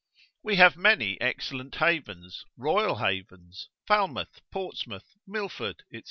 We have many excellent havens, royal havens, Falmouth, Portsmouth, Milford, &c.